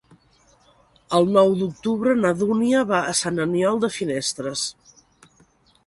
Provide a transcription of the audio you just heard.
El nou d'octubre na Dúnia va a Sant Aniol de Finestres.